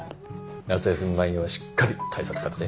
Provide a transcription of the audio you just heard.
夏休み前にはしっかり対策立てて。